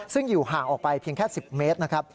ซึ่งอยู่ห่างออกไปเพียงแค่๑๐เมตรนะครับ